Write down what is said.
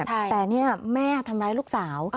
แต่นี่แม่ทำร้ายลูกสาว